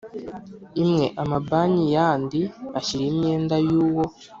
imwe amabanki yandi ashyira imyenda y uwo